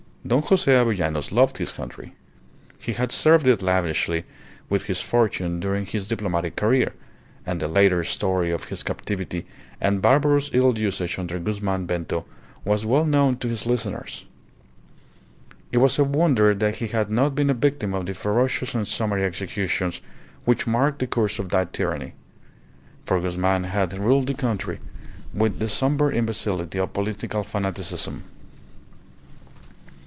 Don Jose Avellanos loved his country. He had served it lavishly with his fortune during his diplomatic career, and the later story of his captivity and barbarous ill usage under Guzman Bento was well known to his listeners. It was a wonder that he had not been a victim of the ferocious and summary executions which marked the course of that tyranny; for Guzman had ruled the country with the sombre imbecility of political fanaticism.